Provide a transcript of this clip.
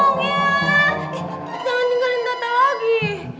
eh jangan tinggalin tata lagi